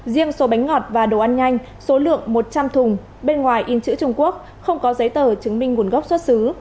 riêng số bánh ngọt và đồ ăn nhanh số lượng một trăm linh thùng bên ngoài in chữ trung quốc không có giấy tờ chứng minh nguồn gốc xuất xứ